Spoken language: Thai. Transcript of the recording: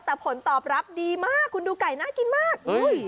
แต่ผลตอบรับดีมากคุณดูไก่น่ากินมาก